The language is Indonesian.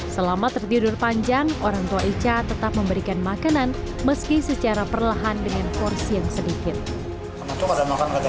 selama tertidur panjang orang tua ica tetap memberikan makanan meski secara perlahan dengan porsi yang sedikit